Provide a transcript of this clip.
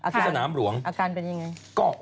ที่สนามหลวงอาการเป็นยังไง